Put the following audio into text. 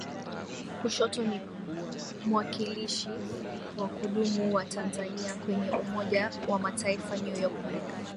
Kushoto ni Mwakilishi wa kudumu wa Tanzania kwenye Umoja wa Mataifa New York Marekani